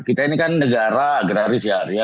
kita ini kan negara agraris ya